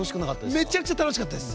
めちゃくちゃ楽しかったです。